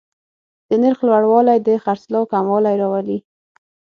د نرخ لوړوالی د خرڅلاو کموالی راولي.